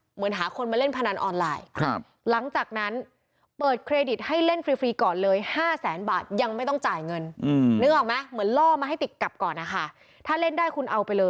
เหมือนหาคนมาเล่นพนันออนไลน์